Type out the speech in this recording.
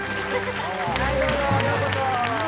はいどうぞようこそ・